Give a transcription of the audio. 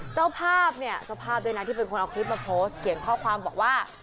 เจ้าภาพเนี่ยเจ้าภาพด้วยนะที่เป็นคนเอาคลิปมาโพสต์เขียนข้อความบอกว่า